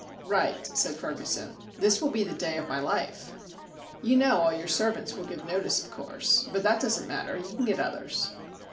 "Right," said Ferguson. "This will be the day of my life. You know all your servants will give notice, of course. But that doesn't matter, you can get others."